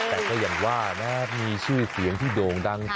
แต่ก็อย่างว่าแม้มีชื่อเสียงที่โด่งดัง